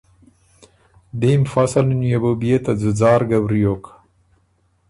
دیم فصلن يې بُو بيې ته ځُځار ګه وریوک۔